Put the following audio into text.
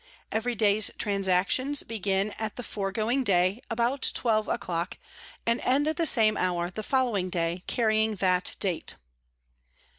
Every day's Transactions begin at the foregoing Day about twelve a clock, and end at the same Hour the following Day carrying that Date.